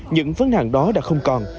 những vấn nạn đó đã không còn